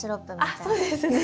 あっそうですね